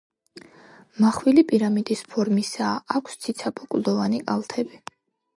მახვილი პირამიდის ფორმისაა, აქვს ციცაბო კლდოვანი კალთები.